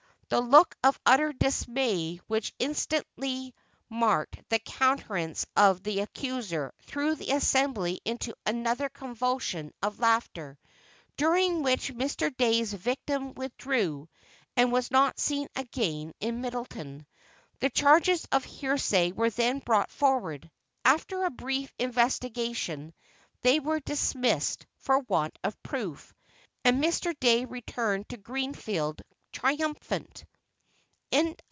The look of utter dismay which instantly marked the countenance of the accuser threw the assembly into another convulsion of laughter, during which Mr. Dey's victim withdrew, and was not seen again in Middletown. The charges of heresy were then brought forward. After a brief investigation, they were dismissed for want of proof, and Mr. Dey returned to Greenfield triumphant.